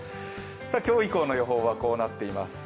今日以降の予報はこうなっています。